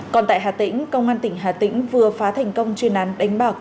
còn tại hà tĩnh công an tỉnh hà tĩnh vừa phá thành công chuyên án đánh bạc